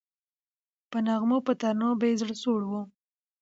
په نغمو په ترانو به یې زړه سوړ وو